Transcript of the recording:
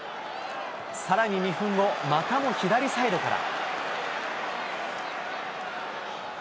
さらに２分後、またも左サイドから。